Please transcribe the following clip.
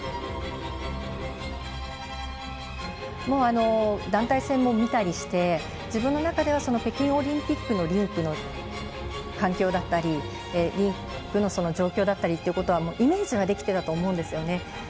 もう団体戦も見たりして自分の中では北京オリンピックのリンクの環境だったりリンクの状況だったりということはイメージはできていたと思うんですよね。